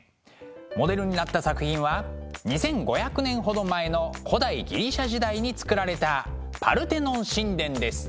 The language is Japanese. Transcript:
モデルになった作品は２，５００年ほど前の古代ギリシャ時代に造られたパルテノン神殿です。